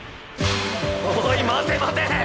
おい待て待て！